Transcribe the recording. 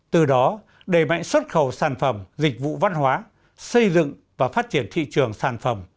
từ đó đầy mạnh xuất khẩu sản phẩm dịch vụ văn hóa xây dựng và phát triển thị trường sản phẩm